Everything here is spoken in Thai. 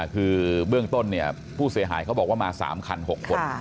คือเบื้องต้นผู้เสียหายเขาบอกว่ามา๓คัน๖คน